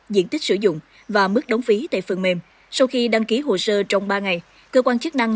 diện tích sử dụng và mức đóng phí tại phần mềm sau khi đăng ký hồ sơ trong ba ngày cơ quan chức năng